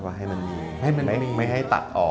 ก็ให้มันมีไม่ให้ตัดออก